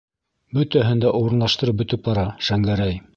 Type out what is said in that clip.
Бөтәһен дә урынлаштырып бөтөп бара Шәңгәрәй.